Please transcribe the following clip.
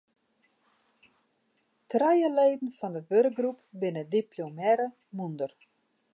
Trije leden fan de wurkgroep binne diplomearre mûnder.